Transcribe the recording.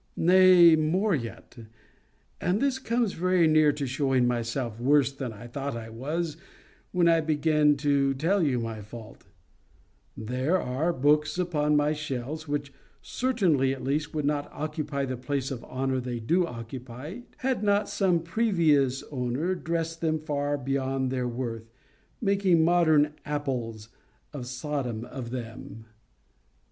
Nay, more yet—and this comes very near to showing myself worse than I thought I was when I began to tell you my fault: there are books upon my shelves which certainly at least would not occupy the place of honour they do occupy, had not some previous owner dressed them far beyond their worth, making modern apples of Sodom of them.